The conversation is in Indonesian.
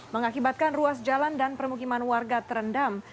mengakibatkan ruas jalan dan permukiman warga terendam